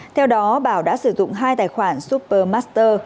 theo đó bảo đã sử dụng hai tài khoản supermaster